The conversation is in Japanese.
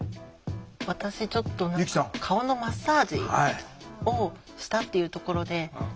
私ちょっと何か「顔のマッサージをした」っていうところで。